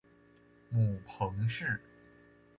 母彭氏。